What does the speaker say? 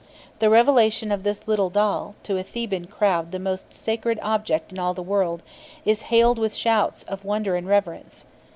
The revelation of this little doll, to a Theban crowd the most sacred object in all the world, is hailed with shouts of wonder and reverence.